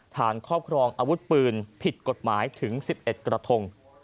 ครอบครองอาวุธปืนผิดกฎหมายถึง๑๑กระทง